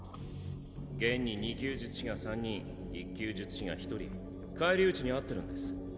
現に２級術師が３人１級術師が１人返り討ちに遭ってるんです。